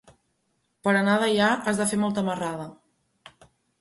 Per anar a Deià has de fer molta marrada.